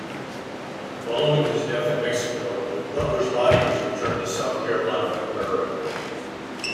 Following his death in Mexico, Butler's body was returned to South Carolina for burial.